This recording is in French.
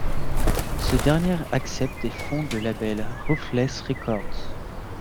Ce dernier accepte et fonde le label Ruthless Records.